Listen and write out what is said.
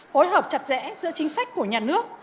phối hợp chặt chẽ giữa chính sách của nhà nước